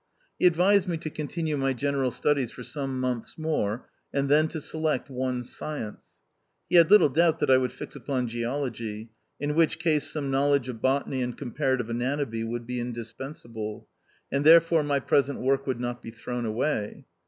He advised me to continue my general studies for some months more, and then to select one science. He had little doubt that I would fix upon geology, in which case sone knowledge of botany and comparative anatomy would be indispensable ; and there fore my present work would not be thrown away.